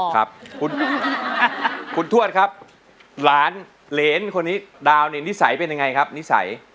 ครับคุณทวดครับหลานเหรนคนนี้ดาวเนี่ยนิสัยเป็นยังไงครับนิสัย